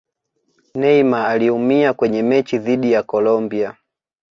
neymar aliumia kwenye mechi dhidi ya Colombia